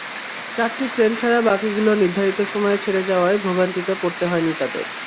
চারটি ট্রেন ছাড়া বাকিগুলো নির্ধারিত সময়ে ছেড়ে যাওয়ায় ভোগান্তিতে পড়তে হয়নি তাঁদের।